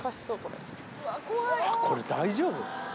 これ、大丈夫？